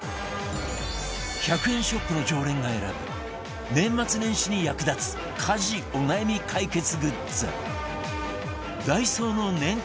１００円ショップの常連が選ぶ年末年始に役立つ家事お悩み解決グッズダイソーの年間